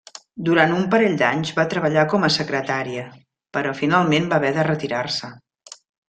Durant un parell d’anys va treballar com a secretaria, però finalment va haver de retirar-se.